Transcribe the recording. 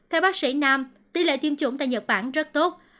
theo bác sĩ nam tỷ lệ tiêm chủng tại nhật bản rất tốt